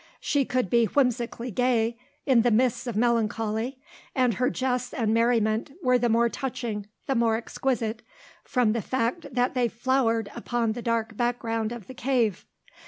She could be whimsically gay in the midst of melancholy, and her jests and merriment were the more touching, the more exquisite, from the fact that they flowered upon the dark background of the cave.